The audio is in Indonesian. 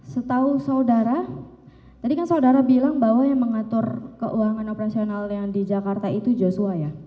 setahu saudara tadi kan saudara bilang bahwa yang mengatur keuangan operasional yang di jakarta itu joshua ya